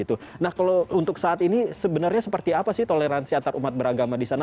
untuk saat ini sebenarnya seperti apa sih toleransi antar umat beragama disana